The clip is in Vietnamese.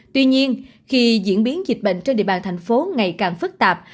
tuy nhiên khi diễn biến dịch bệnh trên địa bàn thành phố ngày càng phức tạp